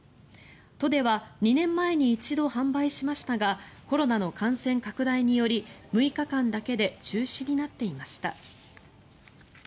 都では２年前に一度販売しましたがコロナの感染拡大により６日間だけで中止になっていました。